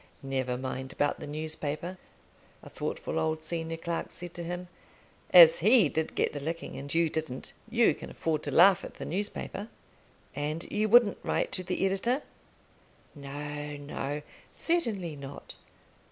"Never mind about the newspaper," a thoughtful old senior clerk said to him. "As he did get the licking and you didn't, you can afford to laugh at the newspaper." "And you wouldn't write to the editor?" "No, no; certainly not.